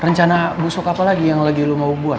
rencana busuk apa lagi yang lagi lo mau buat